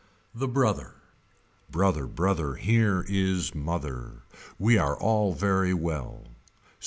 The Brother. Brother brother here is mother. We are all very well.